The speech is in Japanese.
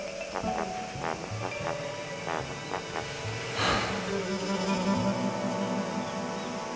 はあ。